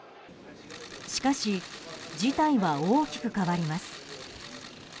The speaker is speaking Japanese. しかし、事態は大きく変わります。